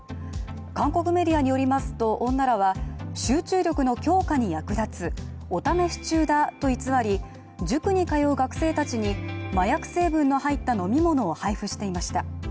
韓国メディアによりますと女らは集中力の強化に役立つ、お試し中だと偽り塾に通う学生たちに麻薬成分の入った飲み物を配布していました。